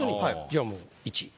じゃあもう１位？